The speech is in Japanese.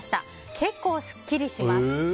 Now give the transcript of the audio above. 結構すっきりします。